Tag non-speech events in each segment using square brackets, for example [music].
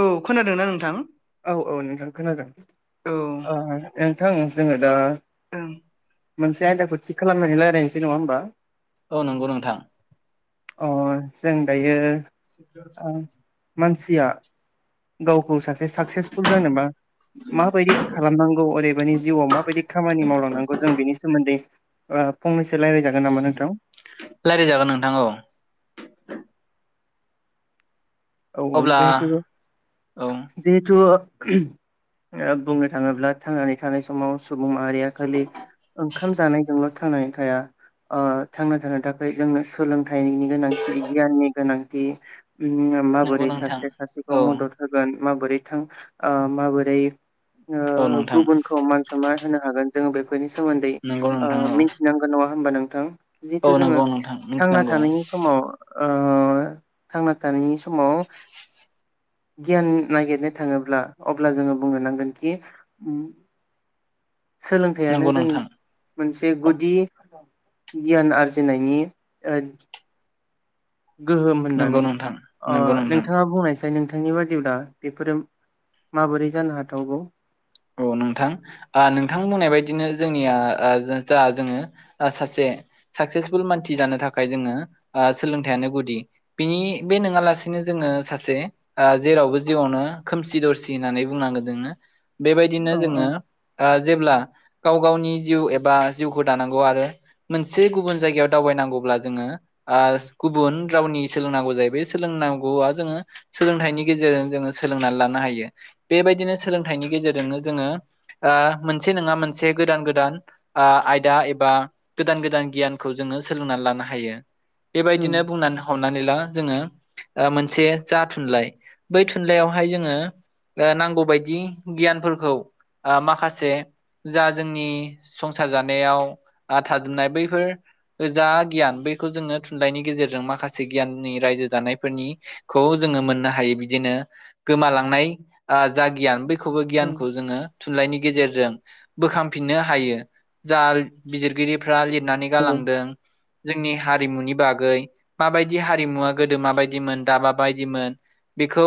औ खोनादोंना नोंथां? औ औ नोंथां खोनादों औ ओ ओ नोंथां जोङो दा ओं। मोनसे आयदाखौ थिग खालामनानै रायजलायनोसै नङा होमबा? औ नंगौ नोंथां। अ जों दायो ओ [inaudible] मानसिया गावखौ सासे साकसेसपुल जानोबा माबायदि खालामनांगौ ओरैबानि जिउआव माबायदि खामानि मावलांनांगौ जों बेनि सोमोन्दै ओ फंनैसो रायज्लायजागोन नामा नोंथां? रायज्लायजागोन नोंथां औ औ औ अब्ला जिहेथु औ जिहेथु ओ बुंनो थाङोब्ला थांनानै थानाय समाव सुबुं माहारिया खालि ओंखाम जानायजोंल' थांनानै थाया ओ थांना थानो थाखाय जोंनो सोलोंथाइनि गोनांथि गियाननि गोनांथि नंगौ माबोरै नोंथां सासे सासेखौ औ मदद होगोन माबोरै थां ओ माबोरै औ ओ नोंथां गुबुनखौ मान सनमान होनो हागोन जोङो बे बेनि सोमोनदै नंगौ ओ नोंथां औ मिथिनांगोन नङा होमबा नोंथां? औ जिहेथु जोङो नंगौ नोंथां थांना मिथिनांगौ थानायनि समाव ओ थांना थानायनि समाव गियान नागिरनो थाङोब्ला अब्ला जोङो बुंनो नांगोन खि सोलोंथाइयानो नंगौ जोंनि नोंथां मोनसे गुदि गियान आरजिनायनि ओ गोहोम नंगौ होननानै नोंथां ओ नंगौ नोंथां नोंथाङा बुंनायसाय नाथाय नोंथांनि बादिब्ला बेफोरो माबोरै जानो हाथावगौ? औ नोंथां ओ नोंथां बुंनाय बायदिनो जोंनिया ओ जा जोङो सासे साकसेसफुल मानसि जानो थाखाय जोङो ओ सोलोंथाइयानो गुदि बिनि बे नङालासि नो जोङो सासे ओ जेरावबो जिउआवनो खोमसि दरसि होननानै बुंनांगोन जोङो बेबायदिनो औ औ जोङो ओ जेब्ला गाव गावनि जिउ एबा जिउखौ दानांगौ आरो मोनसे गुबुन जायगायाव दावबायनांगौब्ला जोङो ओ गुबुन रावनि सोलोंनांगौ जायो बे सोलों नांगौ आ जोङो सोलोंथाइनि गेजेरजों जोङो सोलोंनानै लानो हायो बेबायदिनो सोलोंथाइनि गेजेरजों जोंनो‌ जोङो ओ मोनसे नङा मोनसे गोदान गोदान आयादा एबा गोदान गोदान गियानखौ जोङो सोलोंनानै लानो हायो उम बेबायदिनो बुंनानै हमनानै ला जोङो मोनसे जा थुनलाइ बै थुनलाइयावहाय जोङो अ नांगौबायायदि गियानफोरखौ आ माखासे जा जोंनि संसार जानायाव आ थाजोबनाय बैफोर जा गियान बै खौ जोङो थुनलाइनि गेजेरजों माखासे गियाननि रायजो जानायफोरनि खौ जोङो मोननो हायो बिदिनो गोमालांनाय जा गियान बैखौबो गियान उम थुनलाइनि गेजेरजों बोखांफिननो हायो। जा बिजिरगिरिफ्रा लिरनानै नंगौ। गालांदों। जोंनि हारिमुनि बागै माबायदि हारिमुवा गोदो माबायदिमोन दा माबायदिमोन बेखौ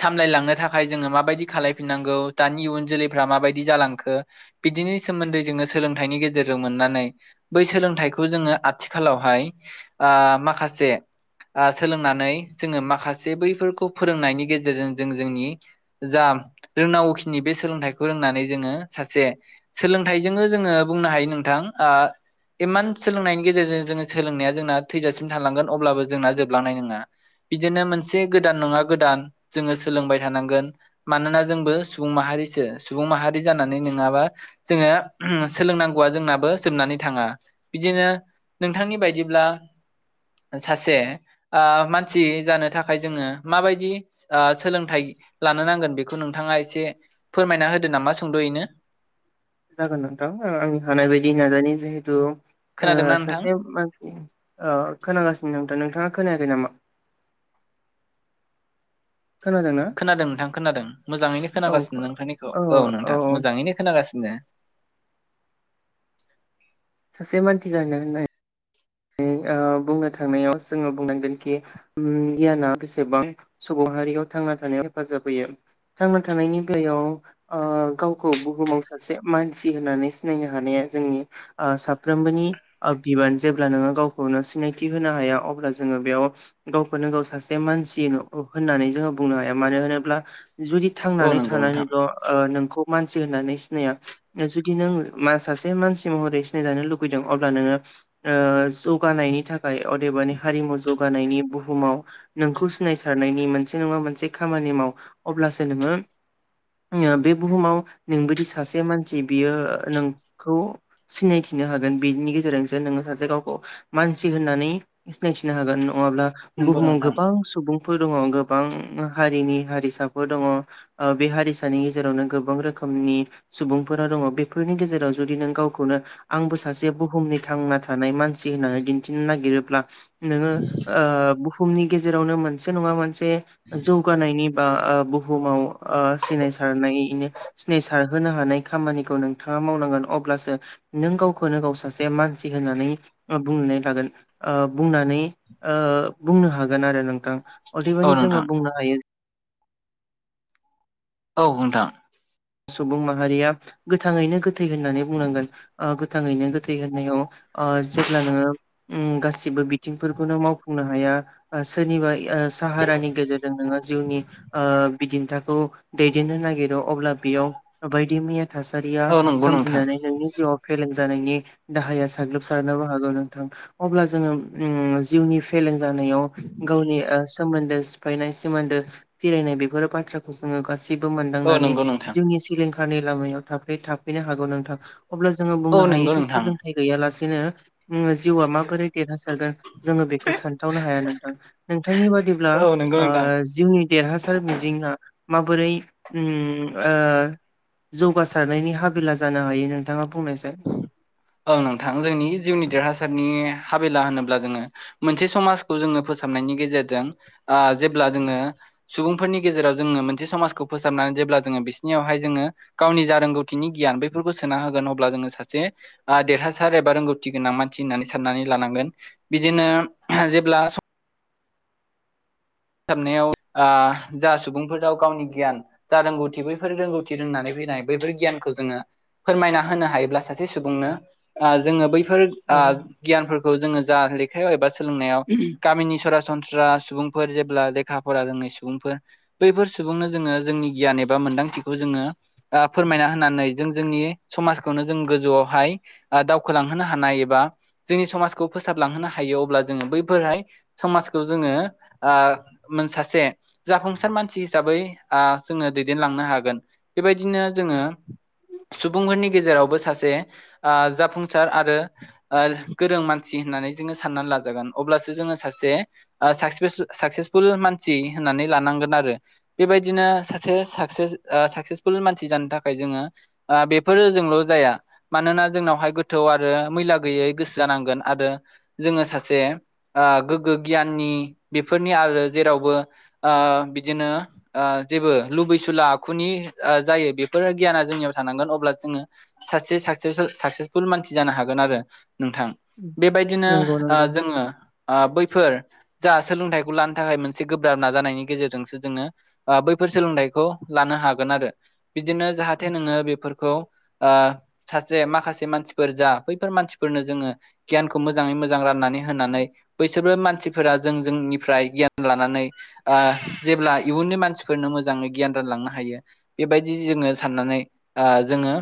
सामलायलांनो थाखाय जोङो माबायदि खालायफिननां गौ दानि इयुन जोलैफ्रा माबायदि जालांखो बिदिनि सोमोन्दै जोङो सोलोंथाइनि गेजेरजों मोननानै बै सोलोंथाइखौ जोङो आथिखालावहाय आ माखासे आ सोलोंनानै जोङो माखासे बैफोरखौ फोरोंनायनि गेजेरजों जों जोंनि जा रोंनांगौखिनि बे सोलोंथाइखौ रोंनानै जोङो सासे सोलोंथाइजोंनो जोङो बुंनो हायो नोंथां। आ इमान सोलोंनायनि गेजेरजों जोङो सोलोंनाया जोंना थैजासिम थालांगोन अब्लाबो जोंना जोबलांनाय नङा। बिदिनो मोनसे गोदान नङा गोदान जोङो सोलोंबाय थानांगोन मानोना जोंबो सुबुं माहारिसो सुबुं माहारि जानानै नङाबा जोङो सोलोंनांगौआ जोंनाबो जोबनानै थाङा बिदिनो नोंथांनि बायदिब्ला सासे आ मानसि जानो थाखाय जोङो माबायदि सोलोंथाइ लानो नांगोन बेखौ नोंथाङा एसे फोरमायना होदो नामा सोंद'यैनो। जागोन नोंथां अ आंनि हानाय बायदि नाजानाय जिहेथु आ खोनादोंना नोंथां सासे मानसि अ खोनागासिनो नोंथां नोंथाङा खोनायाखै नामा? खोनादोंना? खोनादों नोंथां खोनादों मोजाङैनो औ खोनागासिनो नोंथांनिखौ औ नोंथां मोजाङैनो खोनागासिनो। बुङो सासे मानथि जानो ना [unintelligible] अ बुंनो थांनायाव जोङो बुंनांगोन कि ओम गियाना बेसेबां सुबुं हारियाव थां थांना थानायाव हेफाजाब होयो थांना थानायनि बेलायाव अ गावखौ बुहुमाव सासे मानसि होननानै सिनायनो हानाया जोंनि अ साफ्रोमबोनि अ बिबान जेब ब्ला नोङो गावखौनो सिनायथि होनो हाया अब्ला जोङो बेयाव गावखौनो गाव सासे मानसि होननानै जोङो बुंनो हाया मानो होनोब्ला जुदि औ थांनानै नंगौ नोंथां थानानैल' अ नोंखौ मानसि होननानै सिनाया जुदि नों मा सासे मानसि महरै सिनायजानो लुबैदों अब्ला नोङो अ जौगानायनि थाखाय अदेबानि हारिमु जौ जौगानायनि बुहुमाव नोंखौ सिनायसारनायनि मोनसे नङा मोनसे खामानि माव अब्लासो नोङो [inaudible] बे बुहुमाव नोंबदि सासे मानसि बियो नोंखौ सिनायथि नो हागोन बेनि गेजेरजोंसो नोङो सो गावखौ मानसि होननानै सिनायथिनो हागोन नङाब्ला नंगौ बुहुमाव नोंथां गोबां सुबुं फोर दङ गोबां हारिनि हसाफोर दङ अ बे हारिसानि गेजेरावनो गोबां रोखोम खोमनि सुबुंफोरा दङ बेफोरनि गेजेराव जुदि नों गावखौनो आंबो सासे बुहुमनि थांना थानाय मानसि होननानै दिन्थिनो नागिरोब्ला नोङो अ बुहुमनि गेजेरावनो मोनसे नङा मोनसे जौ गारनायनि बा बुुमाव सिनायसारनायनो सिनाय सारहोनो हानाय खामानिखौ नोंथाङा मावनांगोन अब्लासो नों गावखौनो गाव सासे मानसि होननानै बुंनानै लागोन अ बुंनानै अ बुंनो हागोन आरो नोंथां औ अदेबानि नोंथां जोङो बुंनो हायो औ नोंथां सुबुं माहारिया गोथाङैनो गोथै होननानै बुंनांगोन गोथाङैनो गोथै होननायाव जेब्ला नोङो गासिबो बिथिंफोरखौनो मावफुंनो हाया सोरनिबा साहारानि गेजेरजों नोङो जिउनि बिदिन्थाखौ दैदेननो नागिरो अब्ला बेयाव बायदि मैया थासारिया औ नंगौ नोंथां सोमजिनानै नोंनि जिउआव फेलें [unintelligible] जानायाव गावनि सोमोन्दो सिफायनाय सोमोन्दो फिरायनाय बेफोरो बाथ्राखौ जोङो गासैबो औ मोनदांनानै नंगौ नोंथां जिउनि लिंखारनि लामायाव थ थाफैनो हागौ नोंथां अब्ला जोङो औ बुंनो नंगौ हायोदि नोंथां सोलोंथाइ गैयालासेनो जिउआ माबोरै देरहासारगोन जोङो बेखौ सानथावनो हाया नोंथां नोंथांनि बादिब्ला औ नंगौ नोंथां जिउनि देरहासार मिजिंङा माबोरै जौगासारनायनि हाबेला जानो हायो नोंथाङा बुंनायसाय औ नोंथां जोंनि जिउनि देरहासार हाबिला होनोब्ला जोङो मोनसे समाजखौ जोङो फोसाबनायनि गेजेरजों जे जोङो सुबुंफोरनि गेजेराव जोङो मोनसे समाजखौ फोसाबनानै जेब्ला जोङो बिसोरनियावहाय जोङो गावनि जा रोंगौथिनि गियान बेफोरफोरखौ सोना होगोन अब्ला जोङो सासे देरहासार एबा रोंगौथि गोनां मानसि होननानै साननानै लानांगोन बिदिनो जेब्ला फोसाबनायाव जा सुबुंफोराव गावनि गियान जा रोंगौथि बैफोर रोंगौथि रोंनानै [unintelligible] नाय बैफोर गियानखौ जोङो फोरमायना होनो हायोब्ला सासे सुबुंनो जोंङो बै बे गियानफोरखौ जोङो जा लेखायाव एबा सोलोंनायाव गामिनि स सनस्रा फोर जेब्ला लेखा फरा रोङै सुबुंफोर बैफोर सुबुंनो जोङो जोंनि गियान एबा मोन्दांथिखौ जोङो फोरमायना होनानै जों जोंनि समाजखौनो जों गोजौआवहाय दावखोलांहोनो हानाय हायोबा जोंनि समाजखौ फोसाबलांहोनो हायो अब्ला जोङो बैफोरहाय समाजखौ जोङो मोन सासे जाफुंसार मानसि हिसाबै जोङो दैदेनलांनो हागोन बेबायदिनो जोङो सुबुंफोरनि गेजेरावबो सासे जाफुंसार आरो गोरों मानसि होननानै जोङो साननानै लाजागोन अब्लासो जोङो सासे साक्सेस साकसेसफुल मानसि होननानै लानांगोन आरो बेबायदिनो सासे सा साकसेसफुल मानसि जानो थाखाय जोङो बेफोर जोंल' जाया मानोना जोंनावहाय गोथौ आरो गैयै गोसो जानांगोन आरो जोङो सासे गोग्गो गियाननि बेफोरनि आरो जेरावबो बिदिनो जेबो लुबैसुला आखुनि जायो बेफोर गियाना जोंनियाव थानांगोन अब्ला जोङो सासे स साकसेसफुल मानसि जानो हागोन [unintelligible] थां बेबायदिनो नंगौ नंगौ जोंङो बैफोर सोलोंथाइखौ लानो थाखाय मोनसे गोब्राब नाजानायनि गेजेरजोंसो जोङो बैफोर सोलोंथाइखौ लानो हागोन आरो बिदिनो जाहाथे नोङो बेफोरखौ सासे माखासे मानसिफोर जा बैफोर मानसिफोरनो जोङो गियानखौ मोजाङै मोजां राननानै होनानै बैसोरबो मानसिफोरा जों जोंनिफ्राय गियान लानानै जेब्ला इयुननि मानसिफोरनो मोजाङै गियान रानलांनो हायो बेबायदि जोङो साननानै जोङो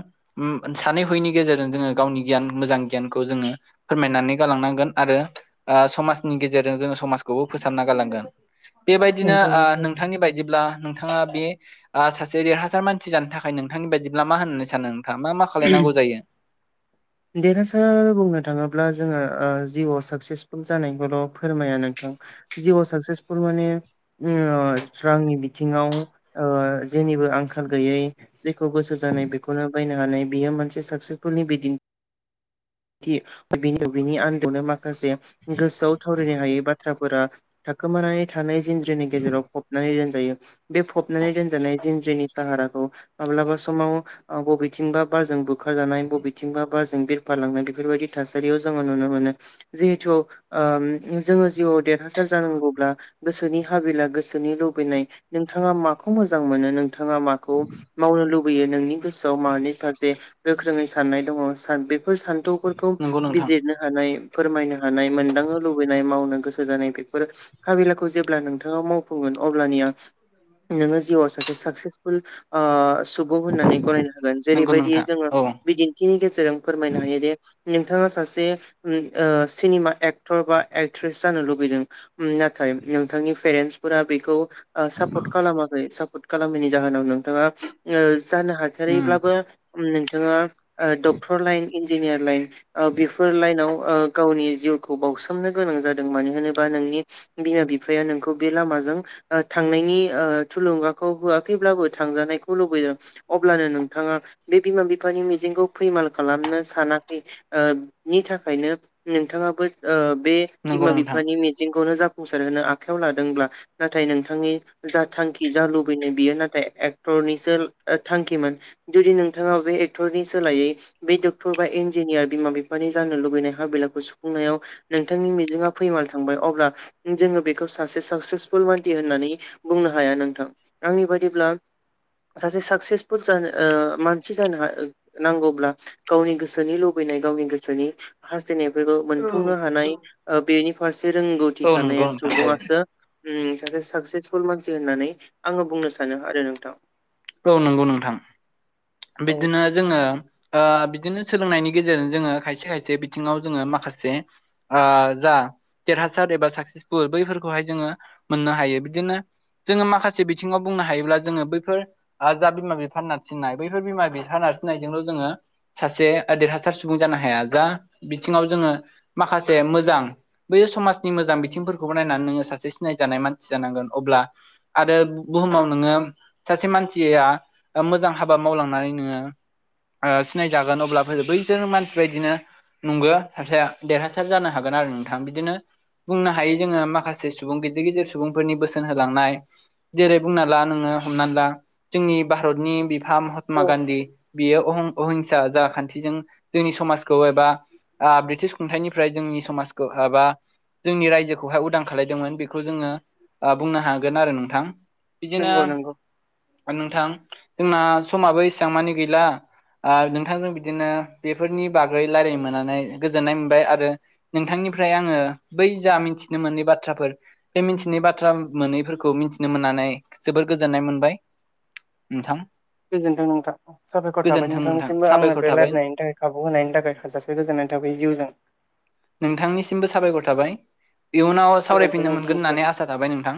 सानै हयैनि गेजेरजों जोंङो गावनि गियान मोजां गियान जोङो फोरमायनानै गांनांगोन आरो समनि गेजेरजों जो समाजखौबो फोसाबना गालांगोन बेबायदिनो नंगौ नंगौ नोंथांनि बायदिब्ला नोंथाङा बे सासे देरहासार मानसि जानो थाखाय नोंथांनि बायदिब्ला मा होननो सानो नोंथाङा मा मा खालायनांगौ जायो देरहासार बुंनो थाङोब्ला जोंङो जिउआव साकसेसफुल जानायखौल' फोरमाया नोंथां जिउआव साकसेसफुल माने ओ स्रांनि बिथिङाव जेनिबो आंखाल गैयै जेखौ गोसो जानाय बेखौनो बायनो हानाय बियो मोनसे साक्सेसफुलनिदिनि बिदिन्थि [unintelligible] माखासे माखासे गोसोआव थावरायनो हायै बाथ्रा थाखोमानानै थानाय जिनज्रिनि गेजेराव फबनानै दोनजायो बे फबनानै दोनजानाय जि जोंनि साहाराखौ माब्लाबा समाव बबेथिंबा। बारजों बुखारजानाय बबेथिंबा बारजों बिरफालांनाय बेफोरबायदि थासारियाव जोङो नुनो मोनो जिहेतु जोङो जिउआव देरहासार जानांगौब्ला गोसोनि हाबिला गोसोनि लुबैनाय नोंथाङा माखौ मोजां मोनो नोंथाङा माखौ मावनो लुबैयो नोंनि गोसोआव माने फारसे गोख्रोङै सान्नाय दङ बेफोर सान्थौफोरखौ नंगौ नोंथां बिजिरनो हानाय फोरमायनो हानाय मोनदांनो लुबैनाय मावनो गोसो जानाय बेफोर हाबिलाखौ जेब्ला नोंथाङा मावफुंगोन अब्लानिया नोङो जिउआव सासे साक्सेसफुल सुबुं होननानै गनायनो हागोन जे नंगौ बेबायदियै नोंथां जोङो औ बिदिन्थिनि गेजेरजों फोरमायनो हायोदि नोंथाङा सासे सिनेमा एक्टर बा एक्ट्रिस जानो लुुबैदों नाथाय नोंथांनि पेरेन्स फोरा बेखौ सापर्ट खालामाखै सापर्ट खालामैनि जाहोनाव नोंथाङा जानो उम हाथारैब्लाबो नोंथाङा डक्टर लाइन इन्जिनियार लाइन बेफोर लाइनाव गावनि जिउखौ बावसोमनो गोनां जादों मानो होनोबा नोंनि बिमा बिफाया नोंखौ बे लामाजों थांनायनि थुलुंगाखौ होआखैब्ला- बो थांजानायखौ लुबैदों अब्लानो नोंथाङा बे बिमा बिफानि मिजिंखौ फैमाल खालामनो सानाखैनि थाखायनो नोंथां ङाबो बे नंगौ बिमा नोंथां बिफानि मिजंखौनो जा- फुंसार होनो आखायाव लादोंब्ला नाथाय नोंथांनि जा थांखि जा लुबैनाय बियो नाथाय एक्टर निसो थांखिमोन जुदि नों थाङा बे एक्टरनि सोलायै बे डक्टर बा इन्जिनियार बिमा बिफानि जानो लुबैनाय हाबिलाखौ सुफुं- नायाव नोंथांनि मिजिङा फैमाल थांबाय अब्ला जोङो बेखौ सासे साक्सेसफुल मानसि होननानै बुंनो हाया नोंथां आंनि बादिब्ला सासे साक्सेसफुल जानो मा- नसि जानो नांगौब्ला गावनि गोसोनि लुबैनाय गावनि गोसोनि हा- स्थायनायफोरखौ औ मोनफुंनो हानाय बेनि फारसे रोंगौथि औ नंगौ थानाय नोंथां औ सुबुङासो उम सासे साक्सेसफुल मानसि होननानै आङो बुंनो सानो आरो नोंथां औ नंगौ नोंथां औ बिदिनो जोङो ओ बिदिनो सोलोंनायनि गेजेरजों जोङो खायसे खायसे बिथिङाव जोङो माखासे ओ जा देरहासार एबा साक्सेसफुल बैफोरखौहाय जोङो मोननो हायो बिदिनो जोङो माखासे बिथिङाव बुंनो हायोब्ला जोङो बैफोर आरो जा बिमा बिफा नारसिननाय बैफोर बिमा बिफा नारसिननायजोंल' जोङो सासे ओ देरहासार सुबुं जानो हाया जा बिथिङाव जोङो माखासे मोजां बै समाजनि मोजां बिथिंफोरखौबो नायनानै नोङो सासे सिनाय जानाय मानसि जानांगोन अब्ला आरो बुहुमाव नोङो सासे मानसिया ओ मोजां हाबा मावलांनानै नोङो ओ सिनायजागोन अब्लाबो बैसोर मानसि बायदिनो नोंबो सासे देरहासार जानो हागोन आरो नोंथां बिदिनो बुंनो हायो जोङो माखासे सुबुं गिदिर गिदिर सुबुंफोरनि बोसोन होलांनाय जेरै बुंना ला नोङो हमना ला जोंनि भारतनि बिफा महात्मा औ गान्धी बियो अहं अहिंसा जा खान्थिजों जोंनि समाजखौ एबा ओ ब्रिटिस खुंथाइनिफ्राय जोंनि समाजखौ ओ बा जोंनि रायजोखौहाय उदां खालायदोंमोन बिखौ जोङो ओ बुंनो हागोन आरो नोंथां। नोंगौ नोंगौ। थां जोंना समाबो इसां मानि गैला ओ नोंथांजों बिदिनो बेफोरनि बागै रायलायनो मोननानै गोजोननाय मोनबाय आरो नोंथांनि निफ्राय आङो बै जा मिथिनो मोनै बाथ्राफोर बे मिथिनै बाथ्रा मोनैफोरखौ मिथिनो मोन नानै जोबोर गोजोननाय मोनबाय नोंथां। गोजोनथों नोंथां साबायखर थाबाय गोजोन्थों नोंथां नोंथांनिसिमबो आङो साबायखर बे थाबाय रायलायनायनि थाखाय खाबु होनायनि थाखाय थोजासे गोजोननाय थाबाय जिउजों नोंथांनिसिम थाबाय इयुनाव गोजोनथों सावरायफिननो मोनगोन नोंथांनिसिम होननानै आसा थाबाय नोंथां।